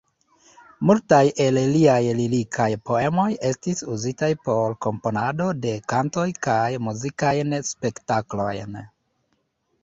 Multaj el liaj lirikaj poemoj estis uzitaj por komponado de kantoj kaj muzikajn spektaklojn.